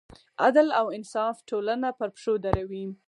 عدل او انصاف ټولنه پر پښو دروي.